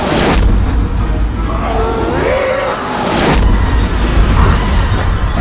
bagaimana caranya agar hamba bisa berhunung dengan naga raksasa